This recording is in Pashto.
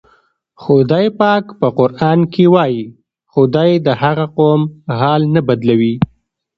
خدای پاک په قرآن کې وایي: "خدای د هغه قوم حال نه بدلوي".